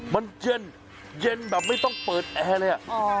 มันเจือนเย็นแบบไม่ต้องเปิดแอร์เลย